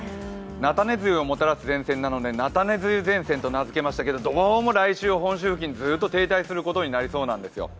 菜種梅雨をもたらす前線なので、菜種梅雨前線と名付けましたけれども、どうも来週、本州付近ずっと停滞することになりそうなんです。